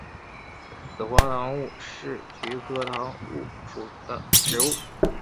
紫花橐吾是菊科橐吾属的植物。